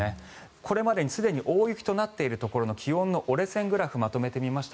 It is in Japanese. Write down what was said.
これまでにすでに大雪となっているところの気温の折れ線グラフをまとめてみました。